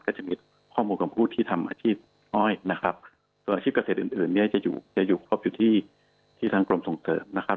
ก็จะมีข้อมูลกับผู้ที่ทำอาชีพอ้อยนะครับตัวอาชีพเกษตรอื่นจะอยู่ครอบชุดที่ทางกรมส่งเสริมนะครับ